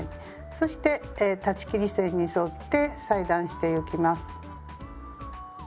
そして裁ち切り線に沿って裁断してゆきます。